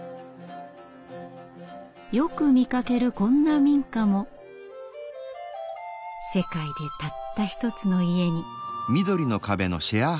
よく見かけるこんな民家も世界でたった一つの家に。